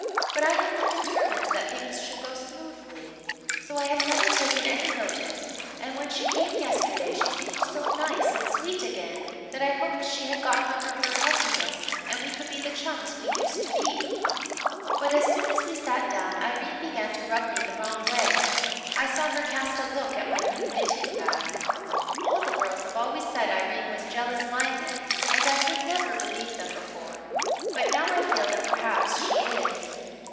But I have been determined that things should go smoothly, so I have never taken any notice, and when she came yesterday she seemed so nice and sweet again that I hoped she had got over her huffiness and we could be the chums we used to be. "But as soon as we sat down Irene began to rub me the wrong way. I saw her cast a look at my new knitting bag. All the girls have always said Irene was jealous minded and I would never believe them before. But now I feel that perhaps she is.